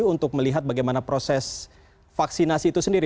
untuk melihat bagaimana proses vaksinasi itu sendiri